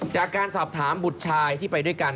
จากการสอบถามบุตรชายที่ไปด้วยกัน